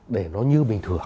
để nó như bình thường